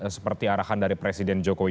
seperti arahan dari presiden jokowi